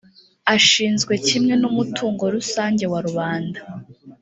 ashinzwe kimwe n umutungo rusange wa rubanda